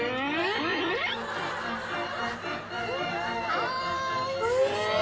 あおいしい。